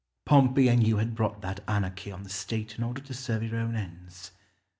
Scipio. Pompey and you had brought that anarchy on the State in order to serve your own ends.